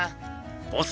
ボス